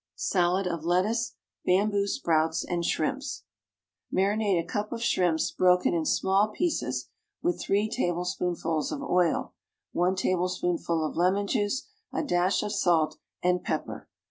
=Salad of Lettuce, Bamboo Sprouts, and Shrimps.= Marinate a cup of shrimps, broken in small pieces, with three tablespoonfuls of oil, one tablespoonful of lemon juice, a dash of salt and pepper.